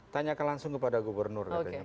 tanyakan langsung kepada gubernur katanya